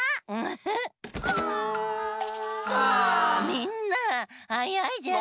みんなはやいじゃん！